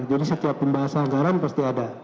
jadi setiap pembahasan anggaran pasti ada